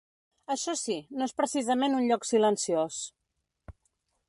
Això sí, no és precisament un lloc silenciós.